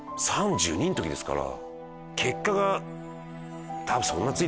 ３２の時ですから。